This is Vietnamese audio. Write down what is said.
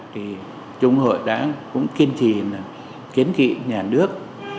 thì trung hội đã cũng kiên trì kiến kị nhà nước